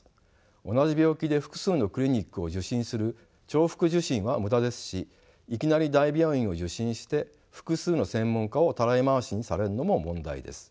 同じ病気で複数のクリニックを受診する重複受診は無駄ですしいきなり大病院を受診して複数の専門科をたらい回しにされるのも問題です。